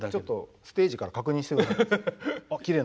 ステージから確認してください。